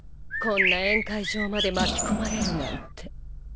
こんな宴会場まで巻き込まれるなんて。